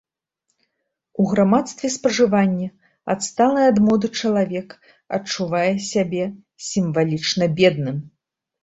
У грамадстве спажывання адсталы ад моды чалавек адчувае сябе сімвалічна бедным.